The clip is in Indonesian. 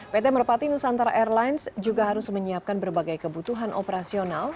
pt merpati nusantara airlines juga harus menyiapkan berbagai kebutuhan operasional